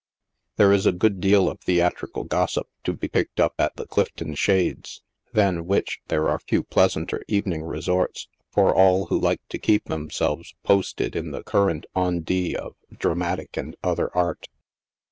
There is a good deal of theatrical gossip to be picked up at the Clifton Shades, than which there are few pleasanter evening resorts for all who like to keep themselves «' posted" in the current on dit of dramatic and other art.